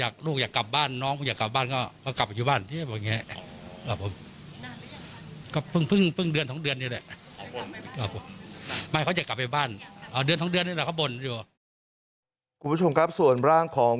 คุณผู้ชมครับส่วนร่างของ